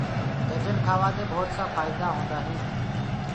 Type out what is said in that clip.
گرجر کآوآ دي ڀوتسآ ڦآئيدآ هوندآ هينٚ۔